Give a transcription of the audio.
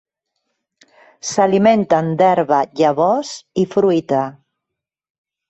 S'alimenten d'herba, llavors i fruita.